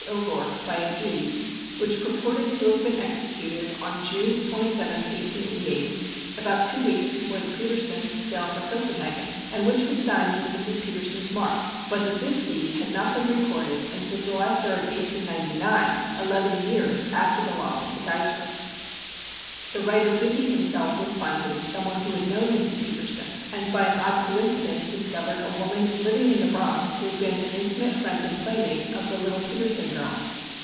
O'Rourke, by a deed, which purported to have been executed on June 27, 1888, about two weeks before the Petersens sailed for Copenhagen, and which was signed with Mrs. Petersen's mark, but that this deed had not been recorded until July 3, 1899, eleven years after the loss of the Geiser. The writer busied himself with finding some one who had known Mrs. Petersen, and by an odd coincidence discovered a woman living in the Bronx who had been an intimate friend and playmate of the little Petersen girl.